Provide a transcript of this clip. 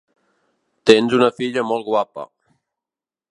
Tens una filla molt guapa.